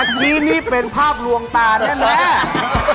แต่สักนี้นี่เป็นภาพลวงตาเนี่ยแหละ